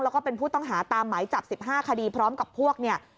แล้วก็เป็นผู้ต้องหาตามหมายจับ๑๕คดีพร้อมกับพวกเนี่ย